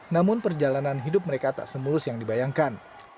namun perjalanan hidup mereka tak semulus yang dibayangkan